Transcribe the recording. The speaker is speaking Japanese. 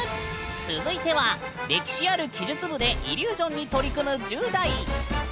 続いては歴史ある奇術部でイリュージョンに取り組む１０代！